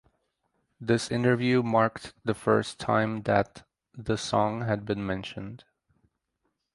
This interview marked the first time that the song had been mentioned.